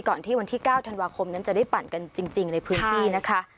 ที่วันที่๙ธันวาคมนั้นจะได้ปั่นกันจริงในพื้นที่นะคะ